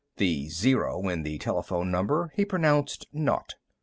The zero in the telephone number he pronounced "naught."